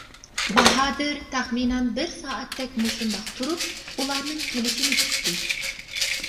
باھادىر تەخمىنەن بىر سائەتتەك مۇشۇنداق تۇرۇپ، ئۇلارنىڭ كېلىشىنى كۈتتى.